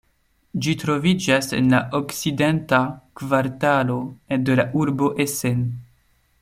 Ĝi troviĝas en la Okcidenta Kvartalo de la urbo Essen.